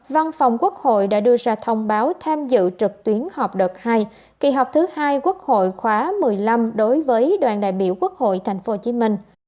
văn phòng quốc hội đã đưa ra thông báo tham dự trực tuyến họp đợt hai kỳ họp thứ hai quốc hội khóa một mươi năm đối với đoàn đại biểu quốc hội tp hcm